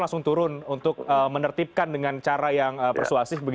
langsung turun untuk menertibkan dengan cara yang persuasif